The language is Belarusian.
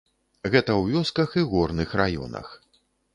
Гэта ў вёсках і горных раёнах.